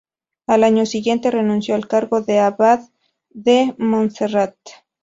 Al año siguiente renunció al cargo de abad de Montserrat.